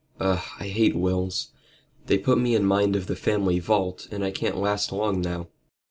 Ugh! I hate wills. They put me in mind of the family vault, and I can't last long now."